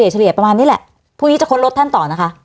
เฉลี่ยประมาณนี้แหละพรุ่งนี้จะค้นรถท่านต่อนะคะ